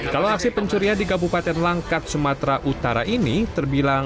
kalau aksi pencurian di kabupaten langkat sumatera utara ini terbilang